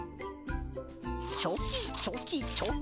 チョキチョキチョキ。